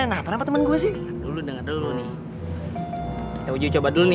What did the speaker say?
ini ya misalnya gitu